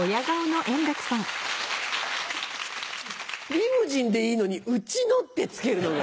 リムジンでいいのに「うちの」って付けるのが。